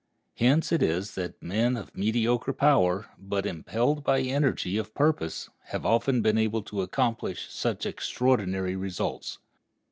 Hence it is that men of mediocre power, but impelled by energy of purpose, have often been able to accomplish such extraordinary results.